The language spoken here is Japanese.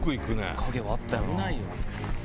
影はあったよな。